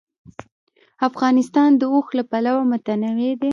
افغانستان د اوښ له پلوه متنوع دی.